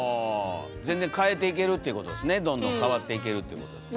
全然変えていけるっていうことですねどんどん変わっていけるということですね。